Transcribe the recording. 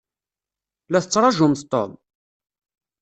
La tettṛaǧumt Tom?